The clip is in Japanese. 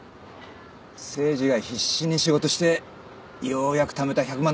誠治が必死に仕事してようやくためた１００万だっつうのによ。